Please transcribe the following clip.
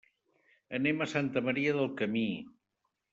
Anem a Santa Maria del Camí.